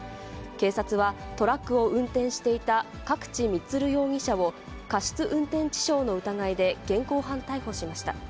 警察は、トラックを運転していた角地満容疑者を、過失運転致傷の疑いで現行犯逮捕しました。